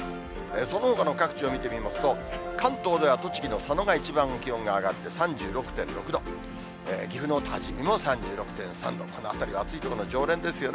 そのほかの各地を見てみますと、関東では栃木の佐野が一番気温が上がって、３６．６度、岐阜の多治見も３６．３度、この辺りは暑い所の常連ですよね。